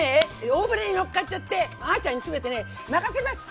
大船に乗っかっちゃってあちゃんに全てね任せます。